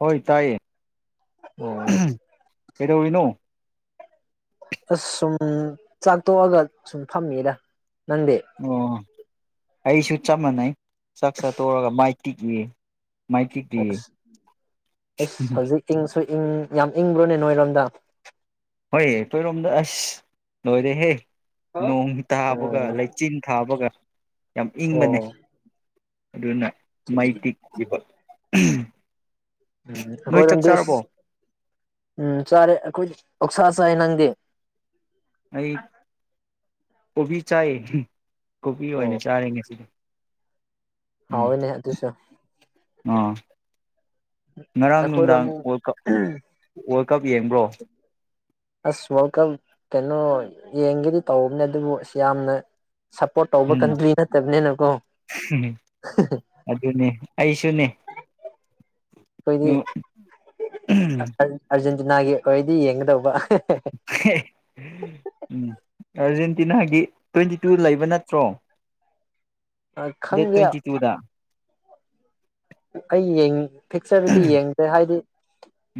ꯍꯣꯏ ꯇꯥꯏꯌꯦ ꯎꯝ ꯀꯩꯗꯧꯔꯤꯅꫭ ꯑꯁ ꯁꯨꯝ ꯆꯥꯛꯇꯣꯛꯑꯒ ꯁꯨꯝ ꯐꯝꯃꯤꯗ ꯅꯪꯗꯤ ꯑꯣ ꯑꯩꯁꯨꯨ ꯆꯞ ꯃꯟꯅꯩ ꯆꯥꯛ ꯆꯥ ꯇꫭꯛꯔꯒ ꯃꯥꯏ ꯇꯤꯛꯏꯌꯦ ꯑꯁꯁ ꯍꯧꯖꯤꯛ ꯏꯪꯁꯨ ꯏꯪ ꯌꯥꯝ ꯏꯪꯕ꯭ꯔꯣꯅꯦ ꯅꯣꯏꯔꯣꯝꯗ ꯍꯣꯏ ꯑꯩꯈꯣꯏꯔꯣꯝꯗ ꯑꯁ ꯂꯣꯏꯔꯦꯍꯦ ꯑꯣ ꯅꯣꯡ ꯊꯥꯕꯒ ꯂꯩꯆꯤꯟ ꯊꯥꯕꯒ ꯌꯥꯝ ꯏꯪꯕꯅꯦ ꯑꯣ ꯑꯗꯨꯅ ꯃꯩ ꯇꯤꯛꯂꯤꯕ ꯎꯝ ꯎꯝ ꯑꯩꯈꯣꯏ ꯎꯝ ꯆꯔꯦ ꯑꯩꯈꯣꯏ ꯑꯣꯛꯁꯥꯁꯥꯏ ꯅꯪꯒꯤꯦ ꯑꯩ ꯀꯣꯕꯤ ꯆꯥꯏꯌꯦ ꯀꯣꯕꯤ ꯑꯣꯏꯅ ꯆꯥꯔꯤꯦ ꯉꯁꯤꯗꯤ ꯎꯝ ꯍꯥꯎꯣꯏꯅꯦ ꯑꯗꯨꯁꯨ ꯑꯥ ꯉꯔꯥꯡ ꯑꯩꯈꯣꯏꯔꯣꯝ ꯅꯨꯡꯗꯥꯡ ꯋꯥꯔꯜ ꯀꯞ ꯋꯥꯔꯜ ꯀꯞ ꯌꯦꯡꯕ꯭ꯔꯣ ꯑꯁ ꯋꯥꯔꯜ ꯀꯞ ꯀꯩꯅꯣ ꯌꯦꯡꯒꯦꯗꯤ ꯇꯧꯧꯕꯅꯦ ꯑꯗꯨꯕꯨ ꯁꯤ ꯌꯥꯝꯅ ꯁꯞꯄꯣꯔꯠ ꯇꯧꯕ ꯎꯝ ꯀꯟꯇ꯭ꯔꯤ ꯅꯠꯇꯕꯅꯤꯅꯀꯣ ꯑꯗꯨꯅꯦ ꯑꯩꯁꯨꯅꯦ ꯑꯩꯈꯣꯏꯗꯤꯔꯦꯟ ꯅꯥꯒꯤ ꯑꯣꯏꯔꯗꯤ ꯌꯦꯡꯒꯗꯧꯕ ꯎꯝ ꯑꯔꯖꯦꯟ ꯗꯤ ꯅꯍꯥꯟꯒꯤ ꯇ꯭ꯋꯦꯟꯇꯤ ꯇꯨ ꯂꯩꯕ ꯅꯠꯇ꯭ꯔꯣ ꯗꯦ ꯈꯪꯗꯦ ꯇꯨ ꯆ ꯆ ꯎꯗꯥ ꯑꯩ ꯐꯤꯛꯆꯔꯗꯗꯤ ꯌꯦꯡꯗꯦ ꯍꯥꯏꯗꯤ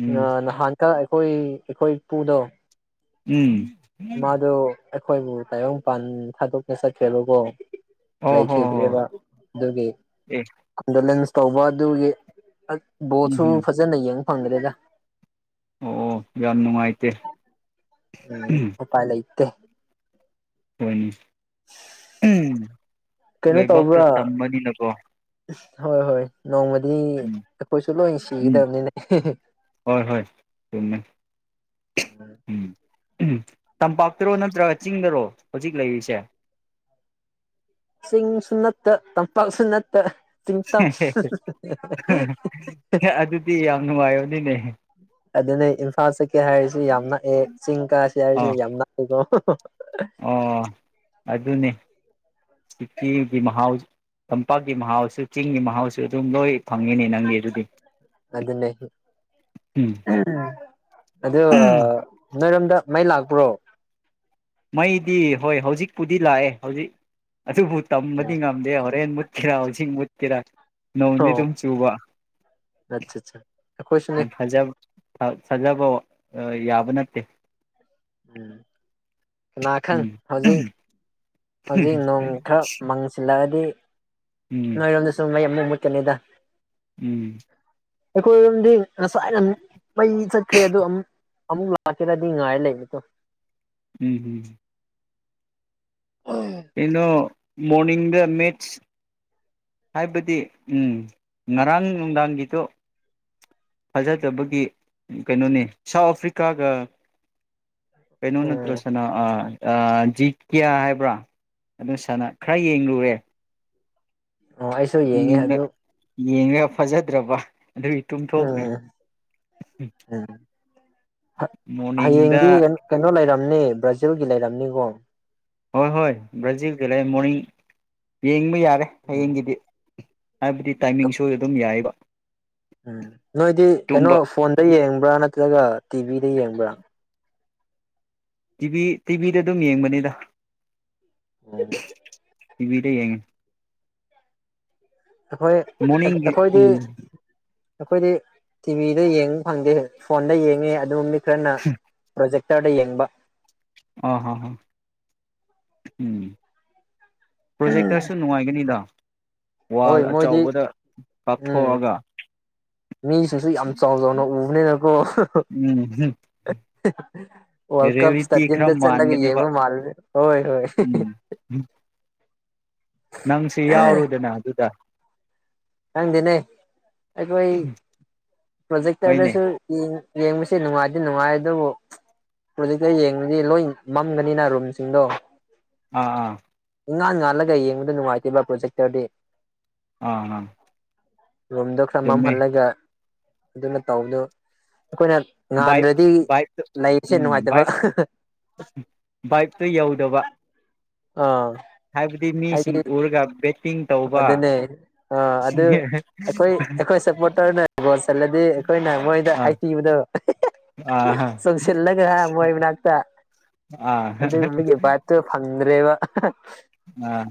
ꯎꯝ ꯅꯍꯥꯟ ꯈꯔ ꯑꯩꯈꯣꯏ ꯑꯩꯈꯣꯏ ꯏꯄꯨꯗꯣ ꯎꯝ ꯃꯥꯗꯨ ꯑꯩꯈꯣꯏꯕꯨ ꯇꯥꯏꯌꯡꯄꯥꯟ ꯊꯥꯗꯣꯛꯅ ꯆꯠꯀꯦꯔꯀꯣ ꯑꯣ ꯍꯣ ꯍꯣ ꯂꯩꯈꯤꯗ꯭ꯔꯤꯕ ꯑꯗꯨꯒꯤ ꯑꯦ ꯇꯧꯕ ꯑꯗꯨꯒꯤ ꯑ ꯎꯝ ꯎꯝ ꯕꯣꯊꯔꯨꯝ ꯐꯖꯅꯩ ꯌꯦꯡ ꯐꯪꯗꯦꯗ ꯑꯣ ꯌꯥꯝ ꯅꯨꯡꯉꯥꯏꯇꯦ ꯎꯝ ꯎꯄꯥꯏ ꯂꯩ ꯠꯇ ꯍꯣꯏꯅꯦ ꯎꯝ ꯀꯩꯅꯣ ꯂꯩꯕꯥꯛꯇ ꯇꯧꯕ꯭ꯔꯥ ꯇꯝꯕꯅꯤꯅꯀꯣ ꯍꯣꯏ ꯍꯣꯏ ꯅꯣꯡꯃꯗꯤ ꯎꯝ ꯑꯩꯈꯣꯏꯁꯨ ꯂꯣꯏ ꯎꯝ ꯁꯤꯒꯗꯕꯅꯤꯅ ꯍꯣꯏ ꯍꯣꯏ ꯆꯨꯝꯃꯦ ꯎꯝ ꯎꯝ ꯇꯝꯄꯥꯛꯇꯔꯣ ꯅꯠꯇ꯭ꯔꯒ ꯆꯤꯡꯗꯔꯣ ꯍꯧꯖꯤꯛ ꯂꯩꯔꯤꯁꯦ ꯆꯤꯡꯁꯨ ꯅꯠꯇ ꯇꯝꯄꯥꯛꯁꯨ ꯅꯠꯇ ꯆꯤꯡ ꯇꯝ ꯑꯗꯨꯗꯤ ꯌꯥꯝ ꯅꯨꯡꯉꯥꯏꯕꯅꯤꯅꯦ ꯑꯗꯨꯅꯦ ꯏꯝꯐꯥꯜ ꯆꯠꯀꯦ ꯍꯥꯏꯔꯤꯁꯤ ꯌꯥꯝ ꯅꯛꯑꯦ ꯆꯤꯡ ꯀꯥꯥꯁ ꯑꯥ ꯍꯥꯏꯔꯤꯁꯤ ꯌꯥꯝ ꯅꯛꯑꯦꯀꯣ ꯑꯣ ꯑꯣ ꯑꯗꯨꯅꯤ ꯁꯤꯀꯤꯗꯤ ꯃꯍ ꯇꯝꯄꯥꯛꯀꯤ ꯃꯍꯥꯎꯁꯨ ꯆꯤꯡꯒꯤ ꯃꯍꯥꯎꯁꯨ ꯑꯗꯨꯝ ꯂꯣꯏ ꯐꯪꯉꯤꯅꯦ ꯅꯪꯗꯤ ꯑꯗꯨꯗꯤ ꯑꯗꯨꯅꯦ ꯎꯝ ꯑꯗ ꯑ ꯅꯣꯏꯔꯣꯝꯗ ꯃꯩ ꯂꯥꯛꯄ꯭ꯔꯣ ꯃꯩꯗꯤ ꯍꯣꯏ ꯍꯧꯖꯤꯛꯄꯨꯗꯤ ꯂꯥꯛꯑꯦ ꯍꯧꯖꯤꯛ ꯑꯗꯨꯕꯨ ꯇꯝꯕꯗꯤ ꯉꯝꯗꯦ ꯍꯣꯔꯦꯟ ꯃꯨꯠꯈꯤꯔ ꯍꯧꯖꯤꯛ ꯃꯨꯠ ꯀꯤꯔ ꯅꯧꯗꯤ ꯑꯗꯨꯝ ꯆꯨꯕ ꯑꯆꯥ ꯑꯆꯥ ꯈꯨꯁꯨ ꯅ ꯊꯥꯖꯕ ꯊꯥꯖꯕ ꯌꯥꯕ ꯅꯠꯇꯦ ꯎꯝ ꯀꯅꯥ ꯈꯪ ꯎꯝ ꯍꯧꯖꯤꯛ ꯍꯧꯖꯤꯛ ꯅꯣꯡ ꯈꯔ ꯃꯥꯡꯁꯤꯜ ꯑꯂꯗꯤ ꯎꯝ ꯅꯣꯏ ꯁ ꯀꯅꯤꯗ ꯎꯝ ꯑꯩꯈꯣꯏ ꯑꯗꯨꯣꯝꯗꯤ ꯉꯁꯥꯏ ꯃ ꯆꯠꯈ꯭ꯔꯦ ꯑꯗꯨ ꯑꯃꯨꯛ ꯑꯃꯨꯛ ꯂꯥꯛꯀꯦꯔꯗꯤ ꯉꯥꯏꯔ ꯂꯩꯅꯤ ꯀ ꯎꯝ ꯍꯝ ꯎꯝ ꯏꯩꯅꯣ ꯃꯣꯔꯅꯤꯡ ꯗ ꯃꯦꯠꯁ꯫ ꯍꯥꯏꯕꯗꯤ ꯎꯝ ꯉꯔꯥꯡ ꯅꯨꯡꯗꯥꯡꯒꯤꯗꯣ ꯐꯖꯗꯕꯒꯤ ꯀꯩꯅꯣꯅꯤ ꯁꯥꯎꯠ ꯑꯐ꯭ꯔꯤꯀꯥꯒ꯫ ꯀꯩꯅꯣ ꯅꯇ꯭ꯔꯣ ꯁꯅꯥ ꯑ꯫ ꯑ ꯖꯤ ꯀ꯭ꯌꯥ ꯍꯥꯏꯕ꯭ꯔꯥ ꯑꯗꯨ ꯁꯅꯥ ꯈꯔ ꯌꯦꯡꯂꯨꯔꯦ꯫ ꯑꯣ ꯑꯩꯁꯨ ꯌꯦꯡꯉꯦ ꯑꯗꯨ꯫ ꯌꯦꯡꯉꯒ ꯐꯖꯗ꯭ꯔꯕ꯫ ꯑꯗꯨꯒꯤ ꯇꯨꯝꯊꯣꯛꯈ꯭ꯔꯦ ꯎꯝ ꯎꯝ ꯃꯣꯔꯅꯤꯡꯗ ꯍꯌꯦꯡꯗꯤ ꯀꯩꯅꯣ ꯀꯩꯅꯣ ꯂꯩꯔꯝ꯫ ꯅꯤ ꯕ꯭ꯔꯥꯖꯤꯜꯒꯤ ꯂꯩꯥꯏꯔꯝꯅꯤꯀꯣ꯫ ꯍꯣꯏ ꯍꯣꯏ ꯕ꯭ꯔꯥꯖꯤꯜꯒꯤ ꯂꯩ ꯃꯣꯔꯅꯤꯡ ꯌꯦꯡ ꯌꯥꯔꯦ ꯎꯝ ꯍꯌꯦꯡꯒꯤꯗꯤ꯫ ꯍꯥꯏꯕꯗꯤ ꯇꯥꯏꯃꯤꯡꯁꯨ ꯑꯗꯨꯝ ꯌꯥꯏꯌꯦꯕ꯫ ꯎꯝ ꯅꯣꯏꯗꯤ ꯀꯩꯅꯣ ꯇꯨꯝꯕ ꯐꯣꯟꯗ ꯌꯦꯡ꯫ ꯅꯠꯇ꯭ꯔꯒ ꯇꯤꯚꯤꯗ ꯌꯦꯡꯕ꯭ꯔꯥ꯫ ꯇꯤꯚꯤ ꯇꯤꯚꯤꯗ ꯑꯗꯨꯝ ꯌꯦꯡꯕꯅꯤꯗ꯫ [unintelligible] ꯇꯤꯕꯤꯗ ꯌꯦꯡꯉꯦ꯫ ꯑꯩꯈꯣꯏ ꯑꯩꯈꯣꯏꯗꯤ꯫ ꯑꯩꯈꯣꯏꯗꯤ ꯇꯤꯚꯤꯗ ꯌꯦꯡꯕ ꯐꯪꯗꯦ ꯐꯣꯟꯗ ꯌꯦꯡꯉꯦ ꯑꯗꯨ ꯃꯤꯠ꯫ ꯅ ꯄ꯭ꯔꯣꯖꯦꯛ ꯇ ꯌꯦꯡꯕ꯫ ꯑ ꯍ ꯍꯥ꯫ ꯎꯝ꯫ ꯄ꯭ꯔꯣꯖꯦꯛꯇ꯭ꯔꯁꯨ ꯅꯨꯡꯉꯥꯏꯒꯅꯤꯗ꯫ ꯋꯥꯜ ꯍꯣꯏ ꯃꯣꯏꯗꯤ ꯑꯆꯧꯕꯗ ꯎꯝ ꯀꯥꯥꯞꯊꯣꯛꯑꯒ꯫ ꯃꯤꯁꯤꯡꯁꯨ ꯌꯥꯝ ꯆꯥꯎ ꯆꯥꯎꯅ ꯎꯕꯅꯤꯅꯀꯣ ꯎꯝ ꯋꯥꯔꯜ ꯀꯞ ꯔꯤꯌꯦꯂꯤꯇꯤ ꯈꯔ ꯁ꯭ꯇꯦꯗꯤꯌꯝꯗ ꯆꯠꯂꯒ ꯃꯥꯟꯒꯅꯦꯕ ꯌꯦꯡꯕ ꯃꯥꯜꯂꯦ ꯍꯣꯏ ꯍꯣꯏ꯫ ꯅꯪꯁꯤ ꯌꯥꯎꯔꯨꯗꯅ ꯑꯗꯨꯗ꯫ ꯈꯪꯗꯦꯅꯦ ꯑꯩꯈꯣꯏ ꯍꯣꯏꯅꯦ ꯄ꯭ꯔꯣꯖꯦꯛꯇꯔꯗꯁꯨ ꯌꯦꯡ ꯌꯦꯡꯕꯁꯤ ꯅꯨꯡꯉꯥꯏꯗꯤ ꯅꯨꯡꯉꯥꯏ ꯑꯗꯨꯕꯨ ꯄ꯭ꯔꯣꯖꯦꯛꯇ ꯌꯦꯡꯕꯗꯤ ꯂꯣꯏ ꯃꯝꯒꯅꯤꯅ ꯔꯨꯝꯁꯤꯡꯗꯣ꯫ ꯑꯥ ꯫ ꯏꯉꯥꯟ ꯉꯥꯜꯂꯒ ꯌꯦꯡꯕꯗ ꯅꯨꯡꯉꯥꯏꯇꯦꯕ ꯄ꯭ꯔꯣꯖꯦꯛꯇꯔꯗꯤ꯫ ꯑ ꯑ꯫ ꯔꯨꯝꯗꯣ ꯈꯔ ꯃꯝꯍꯜꯂꯒ꯫ ꯑꯗꯨꯅ ꯇꯧꯕꯗꯨ꯫ ꯕꯥꯏꯛ ꯕꯥꯏꯞꯇ ꯂꯩꯕꯁꯦ ꯎꯝ ꯅꯨꯡꯉꯥꯏꯇꯕ ꯕꯥꯏꯛ ꯕꯥꯏꯞꯇ ꯌꯧꯗꯕ ꯑꯥ ꯍꯥꯏꯕꯗꯤ ꯃꯤꯁꯤꯡ ꯍꯥꯏꯗꯤ ꯎꯔꯒ ꯕꯦꯠꯇꯤꯡ ꯇꯧꯕ ꯑꯗꯨꯅꯦ ꯑꯥ ꯑꯗꯨ ꯑꯩꯈꯣꯏ ꯑꯩꯈꯣꯏ ꯁꯄꯣꯔꯠꯇꯧꯅ ꯒꯣꯜ ꯆꯜꯂꯗꯤ ꯑꯩꯈꯣꯏꯅ ꯃꯣꯏꯗ ꯑꯥ ꯍꯥꯏꯊꯤꯕꯗꯣ ꯑꯥ ꯆꯣꯡꯁꯤꯜꯂꯒ ꯃꯣꯏ ꯃꯅꯥꯛꯇ ꯑꯥ ꯑꯗꯨꯒꯨꯝꯕꯒꯤꯚꯥꯏꯞꯇꯨ ꯐꯪ ꯆꯗ꯭ꯔꯕ ꯑꯥ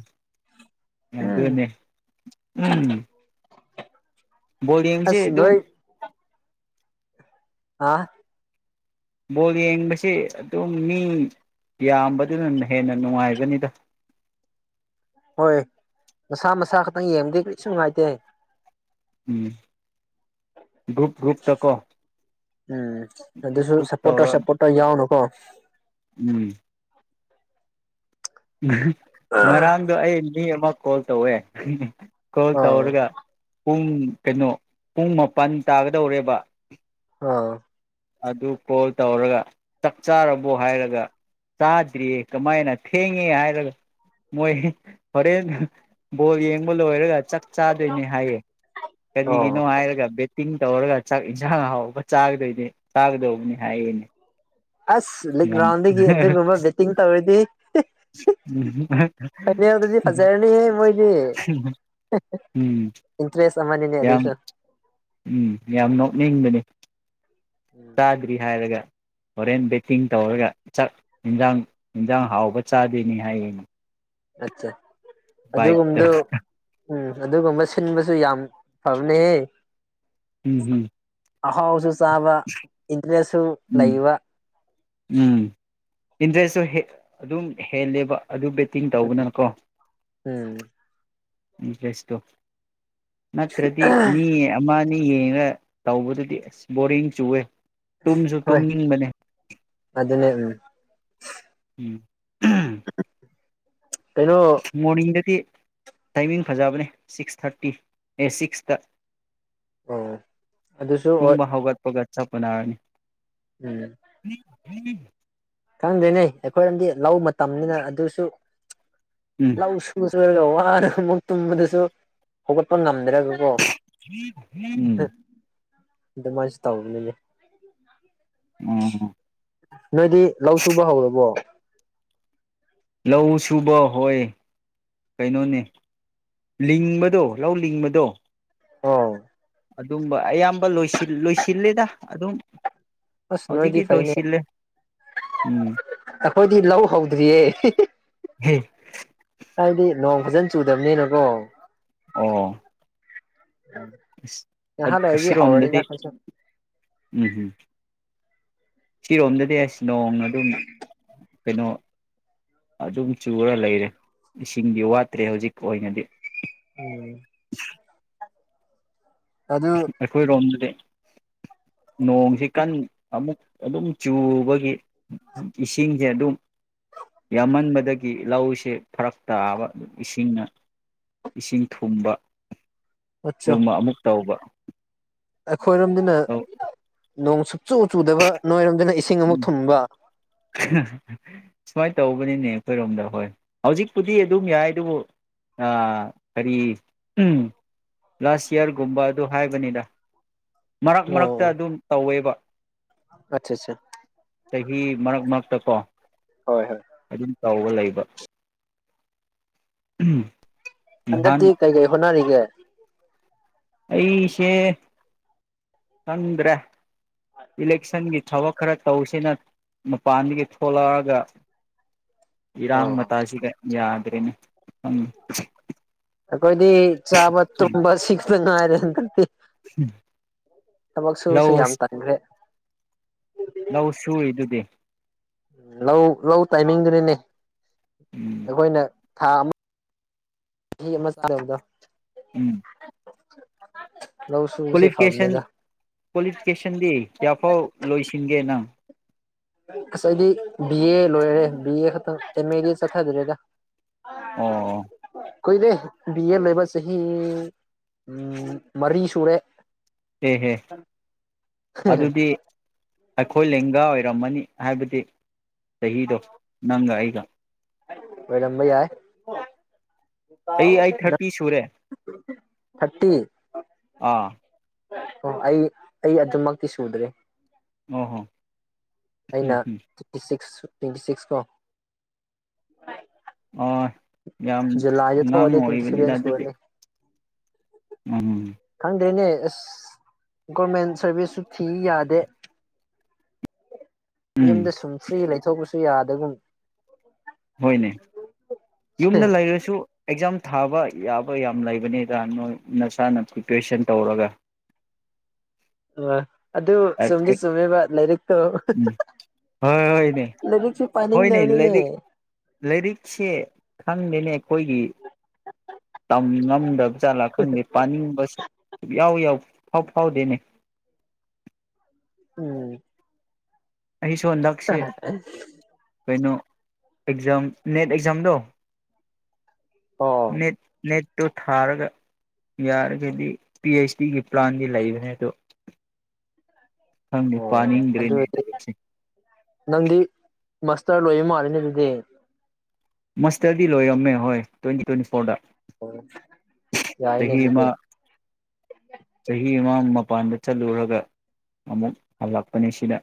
ꯑꯗꯨꯗꯅꯦꯅꯦ ꯎꯝ ꯣꯔꯤꯦꯝꯁꯦ ꯑꯁ ꯑꯗꯨ ꯅꯣꯏ ꯑꯥ ꯕꯣꯜ ꯌꯦꯡꯕꯁꯤ ꯑꯗꯨꯝ ꯃꯤ ꯌꯥꯝꯕꯗꯨꯅ ꯍꯦꯟꯅ ꯅꯨꯡꯉꯥꯏꯕꯅꯤꯗ ꯍꯣꯏ ꯃꯁꯥ ꯃꯁꯥ ꯈꯛꯇꯪ ꯌꯦꯡꯗꯦ ꯀꯔꯤꯁꯨ ꯅꯨꯡꯉꯥꯏꯇꯦ ꯎꯝ ꯒ꯭ꯔꯨꯞ ꯒ꯭ꯔꯨꯞꯇꯀꯣ ꯎꯝ ꯒ꯭ꯔꯨꯞ ꯑꯗꯨꯁꯨ ꯒ꯭ꯔꯨꯞ ꯁꯞꯄꯣꯔꯇꯔ ꯇꯧꯔ ꯁꯞꯄꯣꯔꯇꯔ ꯌꯥꯎꯅꯨꯀꯣ ꯎꯝ ꯑ ꯉꯔꯥꯡꯗꯣ ꯑꯩ ꯃꯤ ꯑꯃ ꯀꯣꯜ ꯇꯧꯋꯦ ꯀꯣꯜ ꯇ ꯑꯥ ꯍꯔꯒ ꯄꯨꯡ ꯀꯩꯅꯣ ꯄꯨꯡ ꯃꯥꯄꯜ ꯇꯥꯒꯗꯧꯔꯦꯕ ꯑꯥ ꯑꯗꯨ ꯀꯣꯜ ꯇꯧꯔꯒ ꯆꯥꯛ ꯆꯥꯔꯕꯣ ꯍꯥꯏꯔꯒ ꯆꯥꯗ꯭ꯔꯤꯌꯦ ꯀꯃꯥꯏꯅ ꯊꯦꯡꯉꯦ ꯍꯥꯏꯔꯒ ꯃꯣꯏ ꯍꯣꯔꯦꯟ ꯕꯣꯜ ꯌꯦꯡꯕ ꯂꯣꯏꯔꯒ ꯆꯥꯛ ꯆꯥꯗꯣꯏꯅꯦ ꯍꯥꯏꯌꯦ ꯑꯣ ꯀꯔꯤꯒꯤꯅꯣ ꯍꯥꯏꯔꯒ ꯕꯦꯠ ꯇꯤꯡ ꯇꯧꯔꯒ ꯆꯥꯛ ꯏꯟꯁꯥꯡ ꯍꯥꯎꯕ ꯆꯥꯒꯗꯣꯏꯅꯤ ꯇꯒꯗꯧꯕꯅꯦ ꯍꯥꯏꯅꯦ ꯑꯁ ꯂꯤꯛ ꯔꯥꯎꯟꯗꯒꯤ ꯑꯗꯨꯒꯨꯝꯕ ꯕꯦꯠꯇꯤꯡ ꯇꯧꯔꯗꯤ ꯐꯥꯏꯅꯦꯜꯗꯗꯤ ꯐꯖꯔꯅꯤꯍ ꯃꯣꯏꯗꯤ ꯎꯝ ꯏꯟꯇꯔꯦꯁ ꯑꯃꯅꯤꯅꯦ ꯌꯥꯝ ꯑꯗꯨꯁꯨ ꯎꯝ ꯌꯥꯝ ꯅꯣꯛꯅꯤꯡꯕꯅꯤ ꯎꯝ ꯆꯥꯗ꯭ꯔꯤ ꯍꯥꯏꯔꯒ ꯍꯣꯔꯦꯟ ꯕꯦꯠꯇꯤꯡ ꯇꯧꯔꯒ ꯆꯥꯛ ꯌꯦꯟꯖꯥꯡ ꯑꯦꯟꯖꯥꯡ ꯍꯥꯎꯕ ꯆꯥꯗꯣꯏꯅꯤ ꯍꯥꯏꯔꯤꯅꯤ ꯑꯆꯥ ꯑꯗꯨꯒꯨꯝꯕꯗꯨ ꯎꯝ ꯑꯗꯨꯒꯨꯝꯕ ꯁꯤꯟꯕꯁꯨ ꯌꯥꯝ ꯐꯝꯅꯦꯦ ꯎꯝ ꯑꯍꯥꯎꯁꯨ ꯆꯥꯕ ꯏꯟꯇꯔꯦꯁꯁꯨ ꯎꯝ ꯎꯝ ꯂꯩꯕ ꯎꯝ ꯏꯟꯇꯔꯦꯁꯁꯨ ꯑꯗꯨꯝ ꯍꯦꯜꯂꯦꯕ ꯑꯗꯨ ꯕꯦꯠꯇꯤꯡ ꯇꯧꯕꯅꯅꯀꯣ ꯎꯝ ꯦꯁꯇ ꯅꯠꯇ꯭ꯔꯗꯤ ꯃꯤ ꯑꯩꯅ ꯌꯦꯡꯉ ꯇꯧꯕꯗꯨꯗꯤ ꯑꯁ ꯕꯣꯔꯤꯡ ꯆꯨꯑꯦ ꯇꯨꯝꯁꯨ ꯇꯨꯝꯅꯤꯡꯕꯅꯦ ꯑꯗꯨꯗ ꯎꯝ ꯎ [inaudible] ꯃꯣꯔꯅꯤꯡꯗꯗꯤ ꯇꯥꯏꯃꯤꯡ ꯐꯖꯕꯅꯦ ꯁꯤꯛꯁ ꯊꯥꯔꯇꯤ ꯑꯦ ꯁꯤꯛꯁꯇ ꯎꯝ ꯑꯗꯨꯁꯨ ꯍꯣꯏ ꯇꯝꯕ ꯍꯧꯒꯠ ꯄꯒꯠ ꯆꯞꯄ ꯅꯥꯔꯅꯤ ꯎꯝ ꯊ ꯈꯪꯗꯣꯏꯅꯦ ꯑꯩꯈꯣꯏꯔꯝꯗꯤ ꯂꯧ ꯃꯇꯝꯅꯤꯅ ꯑꯗꯨꯁꯨ ꯎꯝ ꯂꯥꯎ ꯁ ꯔꯒ ꯋꯥꯔꯒ ꯑꯃꯨꯛ ꯇꯨꯝꯕꯗꯁꯨ ꯍꯧꯒꯠꯄ ꯉꯝꯗ꯭ꯔꯒꯀꯣ ꯝ ꯑꯗꯨꯃꯥꯏꯁꯨ ꯇꯥꯎꯕꯅꯤꯅꯦ ꯎꯝ ꯅꯣꯏꯗꯤ ꯂꯧ ꯁꯨꯕ ꯍꯧꯔꯕꯣ ꯂꯧ ꯁꯨꯕ ꯍꯣꯏ ꯀꯩꯅꯣꯅꯦ ꯂꯤꯡꯕꯗꯣ ꯂꯧ ꯂꯤꯡꯕꯗꯣ ꯑꯣ ꯑꯗꯨꯝꯕ ꯑꯌꯥꯝꯕ ꯂꯣꯏꯁꯤꯜꯂꯦꯗ ꯑꯗꯨꯝ ꯑꯁ ꯍꯧꯖꯤꯛꯇꯤ ꯅꯣꯏꯗꯤ ꯐꯩꯅꯦ ꯂꯣꯏꯁꯤꯜꯂꯦ ꯎꯝ ꯑꯩꯈꯣꯏꯗꯤ ꯂꯧ ꯍꯧꯗ꯭ꯔꯤꯌꯦ ꯍꯦ ꯍꯥꯏꯗꯤ ꯅꯣꯡ ꯐꯖꯅ ꯆꯨꯗꯕꯅꯤꯅꯀꯣ ꯑꯣ ꯑꯁ ꯉꯥꯏꯍꯥꯛ ꯂꯩꯔꯗꯤ ꯍꯧꯔꯅꯤꯗ ꯑꯁꯤꯔꯣꯝꯗꯗꯤ ꯑꯩꯈꯣꯏꯁꯨ ꯎꯝ ꯎꯝ ꯁꯤꯔꯣꯝꯗꯗꯤ ꯑꯁ ꯅꯣꯡꯅ ꯑꯗꯨꯝ ꯀꯩꯅꯣ ꯑꯗꯨꯝ ꯆꯨꯔ ꯂꯩꯔꯦ ꯏꯁꯤꯡꯗꯤ ꯋꯥꯠꯇ꯭ꯔꯦ ꯍꯧꯖꯤꯛ ꯑꯣꯏꯅꯗꯤ ꯎꯝ ꯑꯗꯨ ꯑꯩꯈꯣꯏ ꯔꯣꯝꯗꯗꯤ ꯅꯣꯡꯁꯤ ꯀꯟ ꯑꯃꯨꯛ ꯑꯗꯨꯝ ꯆꯨꯕꯒꯤ ꯏꯁꯤꯡꯁꯦ ꯑꯗꯨꯝ ꯌꯥꯝꯃꯟꯕꯗꯒꯤ ꯂꯧꯁꯦ ꯐꯔꯛ ꯇꯥꯕ ꯑꯗꯨꯝ ꯏꯁꯤꯡꯅ ꯏꯁꯤꯡ ꯊꯨꯝꯕ ꯑꯠꯆꯥ ꯑꯗꯨꯒꯝꯕ ꯑꯃꯨꯛ ꯇꯧꯕ ꯈꯣꯏꯔꯣꯝꯅꯤꯅ ꯎꯝ ꯅꯣꯡ ꯁꯨꯛꯆꯨ ꯆꯨꯗꯕ ꯅꯣꯏꯔ ꯎꯝ ꯁꯋꯥ ꯇꯧꯕꯅꯤꯅꯦ ꯑꯩꯈꯣꯏꯔꯣꯝꯗ ꯍꯣꯏ ꯍꯧꯖꯤꯛꯄꯨꯗꯤ ꯑꯗꯨꯝ ꯌꯥꯏ ꯑꯗꯨꯕꯨ ꯀꯔꯤ ꯂꯥꯁ ꯌꯔꯒꯨꯝꯕ ꯑꯗꯨ ꯍꯥꯏꯕꯅꯤꯗ ꯃꯔꯛ ꯃꯔꯛꯇ ꯑꯗꯨꯝ ꯇꯧꯋꯦꯕ ꯑꯆꯥ ꯑꯆꯥ ꯆꯍꯤ ꯃꯔꯛ ꯃꯔꯛꯇ ꯀꯣ ꯍꯣꯏ ꯍꯣꯏ ꯑꯗꯨꯝ ꯇꯧꯕ ꯂꯩ [unintelligible] ꯍꯗꯥꯛꯇꯤ ꯀꯩ ꯀꯩ ꯍꯣꯅꯔꯒꯦ ꯑꯩꯁꯦ ꯈꯟꯗ꯭ꯔꯦ ꯏꯂꯦꯛꯁꯟꯒꯤ ꯊꯕꯛ ꯈꯔ ꯇꯧꯁꯤꯅ ꯃꯄꯥꯟꯗꯒꯤ ꯊꯣꯛꯂꯛꯑꯒ ꯏꯔꯥꯡ ꯑꯣ ꯃꯇꯥꯁꯤꯒ ꯌꯥꯗ꯭ꯔꯦꯅꯦ ꯎꯝ ꯑꯩꯈꯣꯏꯗꯤ ꯆꯥꯕ ꯇꯨꯝꯕ ꯁꯤ ꯉꯥꯔꯦ ꯊꯕꯛꯁꯨꯁ ꯂꯧ ꯌꯥꯝ ꯇꯥꯡꯈ꯭ꯔꯦ ꯂꯧ ꯁꯨꯏꯗꯨꯗꯤ ꯂꯧ ꯂꯧ ꯇꯥꯏꯃꯤꯡꯗꯨꯅꯤꯅꯦ ꯎꯝ ꯑꯩꯈꯣꯏꯅ ꯊꯥ ꯑꯃ ꯆꯍꯤ ꯑꯃ ꯆꯥꯗ ꯎꯝ [unintelligible] ꯁꯨꯕꯁꯦ ꯀ꯭ꯋꯥꯂꯤꯐꯤꯀꯦꯁꯟ ꯐꯕꯅꯦꯗ ꯀ꯭ꯋꯥꯂꯤꯐꯤꯀꯦꯁꯟꯗꯤ ꯀꯌꯥꯐꯥꯎ ꯂꯣꯏꯁꯤꯟꯒꯦ ꯅꯪ ꯀꯁꯥꯏꯗꯤ ꯑ ꯂꯣꯏꯔꯦ ꯕꯤꯑ ꯈ [unintelligible] ꯑꯦ ꯃꯦ ꯗꯤ ꯆꯠꯊꯥꯗꯔꯦꯒ ꯑ ꯑꯣ ꯀꯨꯏꯔꯦ ꯕꯤ ꯑꯦ ꯂꯩꯕ ꯆꯍꯤ ꯃꯔꯤ ꯁꯨꯔꯦ ꯑꯦꯍꯦ ꯑꯗꯨꯗꯤ ꯑꯩꯈꯣꯏ ꯂꯦꯡꯒꯥ ꯑꯣꯏꯔ ꯔꯝꯃꯅꯤ ꯍꯥꯏꯕꯗꯤ ꯆꯍꯤꯗꯣ ꯅꯪꯒ ꯑꯩꯒ ꯂꯝꯕꯩ ꯌꯥꯏ ꯑꯩ ꯑꯩꯠ ꯅꯪ ꯊꯥꯔꯇꯤ ꯁꯨꯔꯦ ꯊꯥꯔꯇꯤ ꯑꯥ ꯑꯣ ꯑꯩ ꯑꯩ ꯑꯗꯨꯝꯃꯛꯇꯤ ꯁꯨꯗ꯭ꯔꯦ ꯑꯍꯣ ꯑꯩꯅ ꯐꯤꯇꯤ ꯁꯤꯛꯁ ꯇ꯭ꯋꯦꯟꯇꯤ ꯁꯤꯛꯁ ꯀꯣ ꯑ ꯌꯥꯝ ꯖꯨꯂꯥꯏꯗ ꯊꯣꯛꯑꯗꯤ ꯉꯥꯡꯉ ꯇ꯭ꯋꯦꯟꯇꯤ ꯑꯣꯏꯔꯤꯕꯅꯤꯗ ꯁꯚꯦꯟ ꯑꯗꯨꯗꯤ ꯁꯨꯔꯅꯤ ꯎꯝ ꯑꯦꯁ ꯒꯣꯔꯃꯦꯟ ꯁꯥꯔꯚꯤꯁꯁꯨ ꯊꯤ ꯌꯥꯗꯦ ꯎꯝ ꯗ ꯁꯨꯝ ꯐ꯭ꯔꯤ ꯂꯩ ꯆꯣ ꯀꯁꯨ ꯌꯥꯗꯒꯨꯝ ꯍꯣꯏꯅꯦ ꯌꯨꯝꯗ ꯂꯩꯔꯁꯨ ꯑꯦꯛꯖꯥꯝ ꯊꯥꯕ ꯌꯥꯕ ꯌꯥꯝ ꯂꯩꯕꯅꯤꯗ ꯅꯣꯏ ꯅꯁꯥꯅ ꯄ꯭ꯔꯤꯄꯦꯔꯦꯁꯟ ꯇꯧꯔꯒ ꯑ ꯑꯗꯨ ꯁꯣꯨꯝꯗꯤ ꯎꯝ ꯆꯨꯝꯃꯦꯕ ꯂꯥꯏꯔꯤꯛꯇꯣ ꯍꯣꯏ ꯂꯥꯏꯔꯤꯛꯁꯨ ꯄꯥꯅꯤꯡꯗꯕꯅꯤꯅꯦ ꯂꯩꯔꯤ ꯁꯤ ꯈꯪꯗꯅꯦꯦꯛ ꯑꯩꯈꯣꯏꯒꯤ ꯇꯝ ꯉꯝꯗꯕ ꯖꯥꯠꯂꯥ ꯈꯪꯗꯦ ꯄꯥꯅꯤꯡꯕꯁꯨ ꯁꯨꯌꯥꯎ ꯌꯥꯎ ꯐꯥꯎ ꯐꯥꯎꯗꯅꯦ ꯎꯝ ꯑꯩꯁꯨ ꯍꯟꯗꯛꯁꯦ ꯀꯩꯅꯣ ꯑꯦꯛꯖꯝ ꯅꯦꯠ ꯑꯦꯛꯖꯝꯗ ꯑꯣ ꯅꯠ ꯅꯦꯠ ꯇꯨ ꯊꯥꯔꯒ ꯌꯥꯔꯒꯗꯤ ꯄꯤ ꯑꯩꯆ ꯗꯤꯒꯤ ꯄ꯭ꯂꯥꯟꯗꯤ ꯂꯩꯕꯅꯦ ꯑꯗꯣ ꯈꯪꯗꯦ ꯑꯣ ꯄꯥꯅꯤꯡ ꯒ꯭ꯔꯦꯅꯦꯗ ꯑꯗꯨꯗꯤ ꯂꯩꯁꯦ ꯃꯁꯇꯔ ꯂꯣꯏꯕ ꯃꯥꯜꯂꯤꯅꯦ ꯑꯗꯨꯗꯤ ꯃꯁꯇꯔꯗꯤ ꯂꯣꯏꯔꯝꯃꯦ ꯍꯣꯏ ꯇ꯭ꯋꯦꯟꯇꯤ ꯇ꯭ꯋꯦꯟꯇꯤ ꯐꯣꯔꯗ ꯑꯣ ꯌꯥꯏꯅꯦ ꯆꯍꯤꯃ ꯑꯗꯨꯗꯤ ꯆꯍꯤ ꯑꯃꯃ ꯃꯄꯥꯟꯗ ꯆꯠꯂꯨꯔꯒ ꯑꯃꯨꯛ ꯍꯜꯂꯛꯄꯅꯤ ꯁꯤꯗ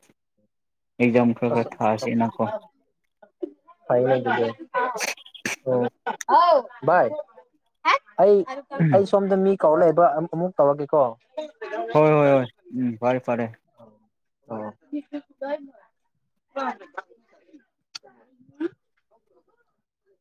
ꯑꯦꯖꯝ ꯈꯔ ꯑꯁ ꯈꯔ ꯊꯥꯁꯤꯦꯅꯀꯣ ꯑꯣ ꯑꯥꯎ ꯚꯏ ꯑꯩ ꯑꯩ ꯍꯣꯏ ꯁꯣꯝꯗ ꯃꯤ ꯀꯧꯔꯛꯏꯕ ꯑꯃꯨꯛ ꯀꯧꯔꯛꯒꯦꯀꯣ ꯍꯣꯏ ꯍꯣꯏ ꯍꯣꯏ ꯎꯝ ꯐꯔꯦ ꯐꯔꯦ [unintelligible]